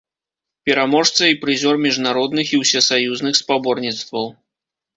Пераможца і прызёр міжнародных і усесаюзных спаборніцтваў.